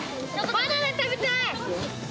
バナナ食べたい！